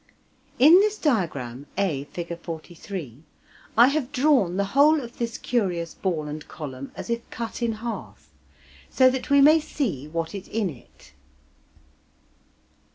In this diagram (A, Fig. 43) I have drawn the whole of this curious ball and column as if cut in half, so that we may see what is in it.